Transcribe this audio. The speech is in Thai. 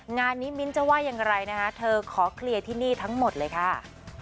งานนี้มิ้นท์จะว่าอย่างไรนะคะเธอขอเคลียร์ที่นี่ทั้งหมดเลยค่ะ